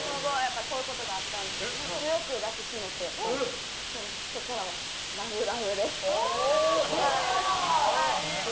こういうことがあったので強く抱き締めてそこからはラブラブです。